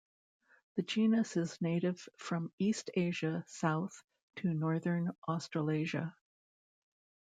The genus is native from east Asia south to northern Australasia.